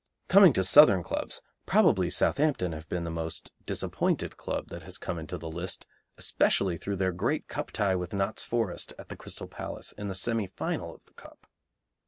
Coming to Southern clubs, probably Southampton have been the most disappointed club that has come into the list, especially through their great Cup tie with Notts Forest, at the Crystal Palace, in the semi final of the Cup.